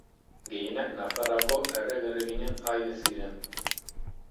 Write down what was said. Gehienak Nafarroako errege-erreginen ahaide ziren.